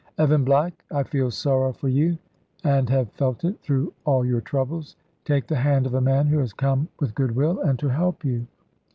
"Evan Black, I feel sorrow for you. And have felt it, through all your troubles. Take the hand of a man who has come with goodwill, and to help you."